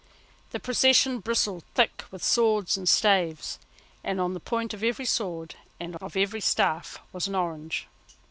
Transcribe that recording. The procession bristled thick with swords and staves, and on the point of every sword and of every staff was an orange.